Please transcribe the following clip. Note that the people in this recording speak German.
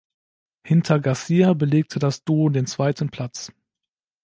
Hinter Gracia belegte das Duo den zweiten Platz.